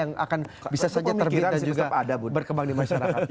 yang akan bisa saja terbit dan juga ada bu berkembang di masyarakat